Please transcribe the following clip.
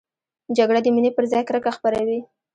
جګړه د مینې پر ځای کرکه خپروي